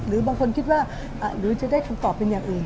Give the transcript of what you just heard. หรือบางคนคิดว่าหรือจะได้คำตอบเป็นอย่างอื่น